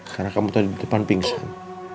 karena kamu tadi di depan pingsan